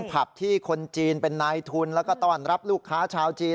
ผับที่คนจีนเป็นนายทุนแล้วก็ต้อนรับลูกค้าชาวจีน